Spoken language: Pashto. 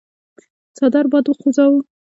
څادر باد وخوځاوه.